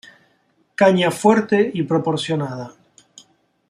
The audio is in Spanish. Caña fuerte y proporcionada.